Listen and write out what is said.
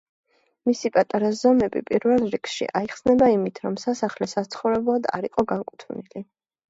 მისი პატარა ზომები, პირველ რიგში, აიხსნება იმით, რომ სასახლე საცხოვრებლად არ იყო განკუთვნილი.